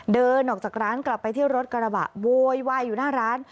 เดินออกจากร้านกลับไปที่รถกระบะโวยวายอยู่หน้าร้าน